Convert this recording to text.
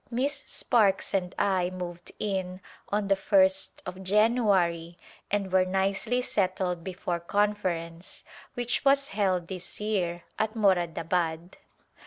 Miss Sparkes and I moved in on the 1st of January and were nicely settled before Conference, which was held this year at Moradabad.